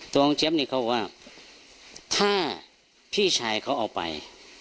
ของเจี๊ยบนี่เขาบอกว่าถ้าพี่ชายเขาเอาไป